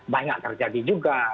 banyak terjadi juga